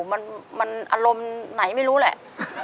มันอารมณ์ไหนไม่รู้แหละ